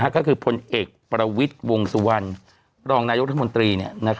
ก็คือพลเอกประวิษฐ์วงศ์สุวรรณรองนายุคธรรมดี